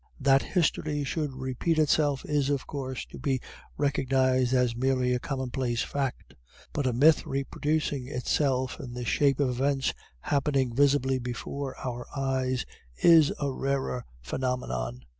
That history should repeat itself is, of course, to be recognised as merely a commonplace fact; but a myth reproducing itself in the shape of events happening visibly before our eyes, is a rarer phenomenon.